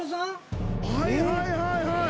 はいはいはいはい。